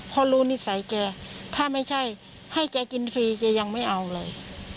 เพราะรู้นิสัยแกถ้าไม่ใช่ให้แกกินฟรีแกยังไม่เอาเลย